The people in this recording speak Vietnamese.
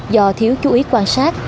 do thiếu chú ý quan sát